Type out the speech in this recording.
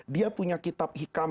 dia punya kitab hikam